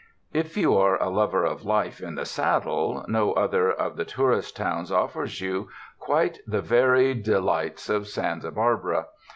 " If yon are a lover of life in the saddle, no other of the tourist towns offers you quite the varied 210 TOURIST TOWNS delights of Santa Barbara.